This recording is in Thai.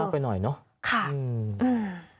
แต่มันหายไม่เจอ